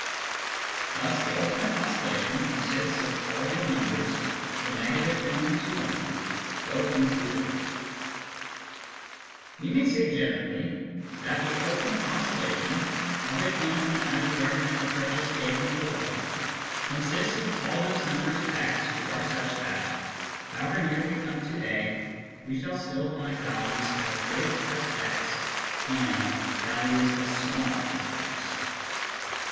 Thus the " ultimate oscillation " consists of all real numbers from — I to i, both included. ii2 Introduction to Mathematical Philosophy We may say generally that the " ultimate oscillation " of a function as the argument approaches a from below consists of all those numbers x which are such that, however near we come to a, we shall still find values as great as x and values as small as x.